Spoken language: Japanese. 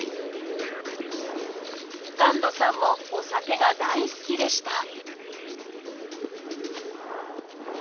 神門さんもお酒が大好きでした